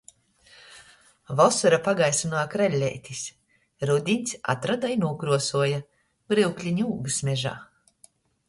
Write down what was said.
Vosora pagaisynuoja krelleitis, rudiņs atroda i nūkruosuoja - bryukliņu ūgys mežā.